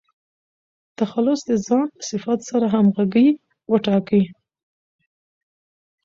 تخلص د ځان له صفاتو سره همږغى وټاکئ!